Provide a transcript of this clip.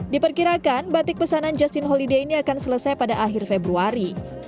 diperkirakan batik pesanan justin holiday ini akan selesai pada akhir februari